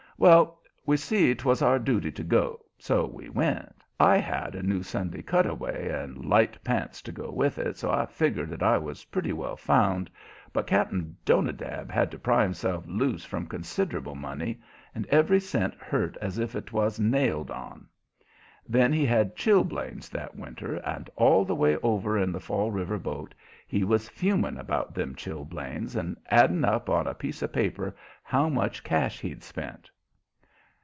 Well, we see 'twas our duty to go, so we went. I had a new Sunday cutaway and light pants to go with it, so I figgered that I was pretty well found, but Cap'n Jonadab had to pry himself loose from considerable money, and every cent hurt as if 'twas nailed on. Then he had chilblains that winter, and all the way over in the Fall River boat he was fuming about them chilblains, and adding up on a piece of paper how much cash he'd spent.